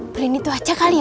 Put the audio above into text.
print itu aja kali ya